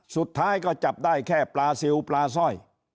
สุดท้ายก็จับได้แค่ปลาซิลปลาสร้อย